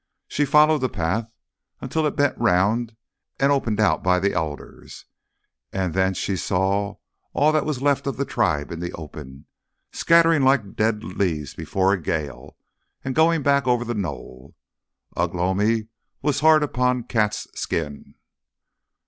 She followed the path until it bent round and opened out by the alders, and thence she saw all that was left of the tribe in the open, scattering like dead leaves before a gale, and going back over the knoll. Ugh lomi was hard upon Cat's skin.